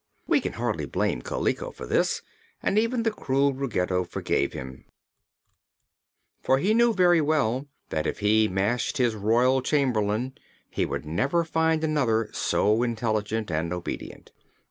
We can hardly blame Kaliko for this, and even the cruel Ruggedo forgave him; for he knew very well that if he mashed his Royal Chamberlain he could never find another so intelligent and obedient.